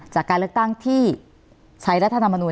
จากการเลือกตั้งที่ใช้รัฐธรรมนูล